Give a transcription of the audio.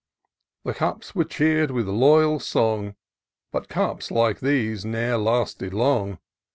The cups were cheer'd with loyal song ; But cups like these ne'er lasted long.